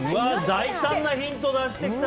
大胆なヒント出してきた。